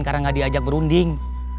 karena gak diajak berunding